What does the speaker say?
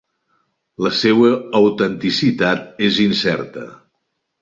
La seua autenticitat és incerta.